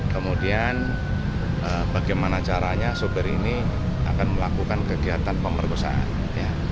kemudian bagaimana caranya sopir ini akan melakukan kegiatan pemerkosaan